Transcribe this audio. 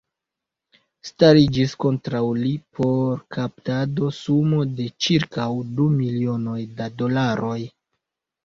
Stariĝis kontraŭ li por kaptado sumo de ĉirkaŭ du milionoj da dolaroj.